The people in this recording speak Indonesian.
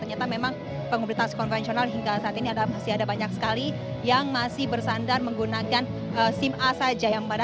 ternyata memang pengemudi taksi konvensional hingga saat ini masih ada banyak sekali yang masih bersandar menggunakan sim a saja